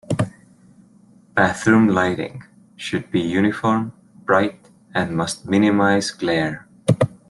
Bathroom lighting should be uniform, bright and must minimize glare.